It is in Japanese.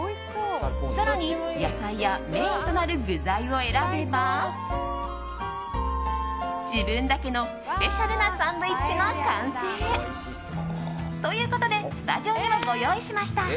更に、野菜やメインとなる具材を選べば自分だけのスペシャルなサンドイッチの完成。ということでスタジオにもご用意しました。